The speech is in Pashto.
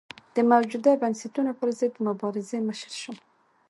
د موجوده بنسټونو پرضد مبارزې مشر شو.